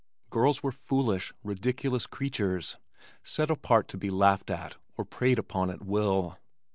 Girls were foolish, ridiculous creatures, set apart to be laughed at or preyed upon at will.